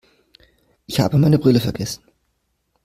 Ich habe meine Brille vergessen.